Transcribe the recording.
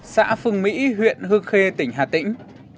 xã phương mỹ huyện hương khê tỉnh hà tĩnh